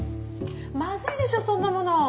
まずいでしょそんなもの。